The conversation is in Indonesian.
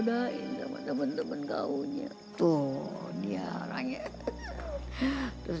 karena kejamanku dulu pada anakku